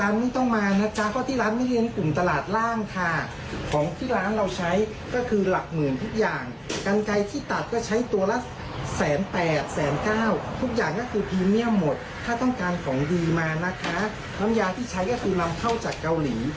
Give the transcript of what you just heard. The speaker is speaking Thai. น้ำยาที่ใช้ก็คือนำเข้าจากเกาหลี